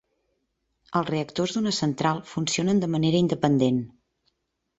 Els reactors d'una central funcionen de manera independent.